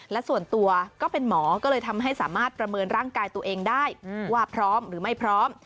และส่วนตัวก็เป็นหมอก็เลยทำให้สามารถประเมินร่างกายตัวเองได้ว่าพร้อมหรือไม่พร้อม